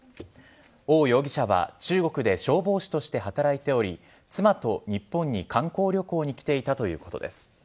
王容疑者は中国で消防士として働いており妻と日本に観光旅行に来ていたということです。